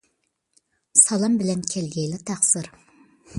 سالام بىلەن كەلگەيلا تەقسىر.